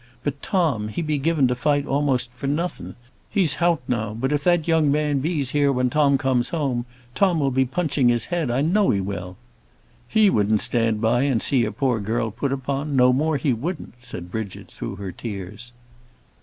But Tom, he be given to fight a'most for nothin'. He's hout now; but if that there young man be's here when Tom comes home, Tom will be punching his head; I know he will." "He wouldn't stand by and see a poor girl put upon; no more he wouldn't," said Bridget, through her tears.